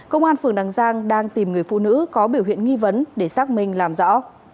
công an phường đằng giang đang tìm người phụ nữ có biểu hiện nghi vấn để xác minh làm rõ